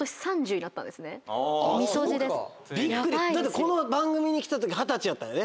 この番組に来たとき二十歳やったよね。